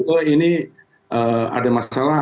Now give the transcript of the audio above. oh ini ada masalah